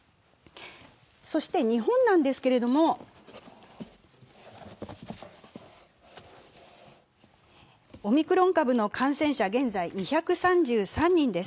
そして日本ですけれども、オミクロン株の感染者は現在２３３人です。